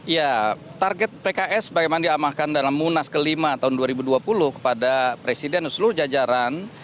ya target pks bagaimana diamahkan dalam munas ke lima tahun dua ribu dua puluh kepada presiden dan seluruh jajaran